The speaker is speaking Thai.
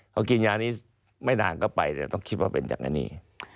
เขากินยานี้ไม่นานก็ไปแต่ต้องคิดว่าเป็นจากอันนี้